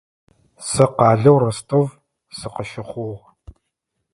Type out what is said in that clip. Сэ къалэу Ростов сыкъыщыхъугъ.